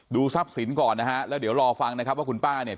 ทรัพย์สินก่อนนะฮะแล้วเดี๋ยวรอฟังนะครับว่าคุณป้าเนี่ย